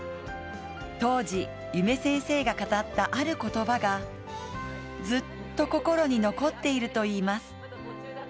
当時、夢先生が語ったある言葉がずっと心に残っているといいます。